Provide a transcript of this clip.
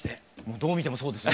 どう見てもそうですね。